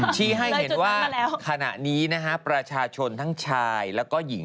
ชี้ให้เห็นว่าขณะนี้นะฮะประชาชนทั้งชายแล้วก็หญิง